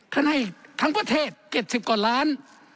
ขนาดทั้งประเทศ๗๐กว่าล้าน